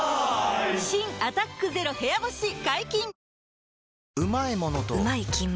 新「アタックＺＥＲＯ部屋干し」解禁‼